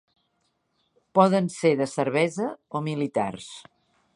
Poden ser de cervesa o militars.